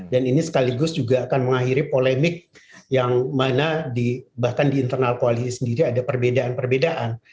dan ini sekaligus juga akan mengakhiri polemik yang mana bahkan di internal koalisi sendiri ada perbedaan perbedaan